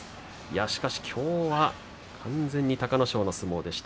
しかし、きょうは完全に隆の勝の相撲でした。